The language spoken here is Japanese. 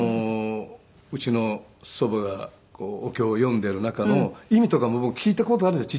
うちの祖母がお経を読んでいる中の意味とかも僕聞いた事あるんです。